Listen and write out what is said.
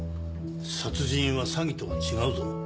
殺人は詐欺とは違うぞ。